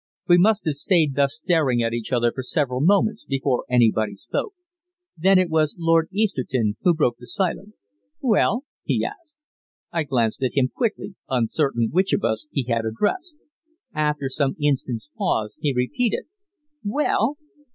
We must have stayed thus staring at each other for several moments before anybody spoke. Then it was Lord Easterton who broke the silence. "Well?" he asked. I glanced at him quickly, uncertain which of us he had addressed. After some instants' pause he repeated: "Well?"